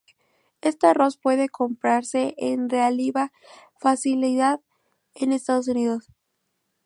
Este arroz puede comprase con relativa facilidad en Estados Unidos.